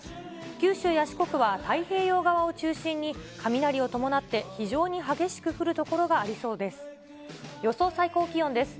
九州や四国は太平洋側を中心に雷を伴って非常に激しく降る所がありそうです。